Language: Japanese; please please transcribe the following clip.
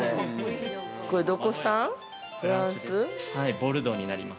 ボルドーになります。